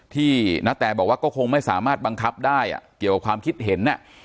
ณแตบอกว่าก็คงไม่สามารถบังคับได้เกี่ยวกับความคิดเห็น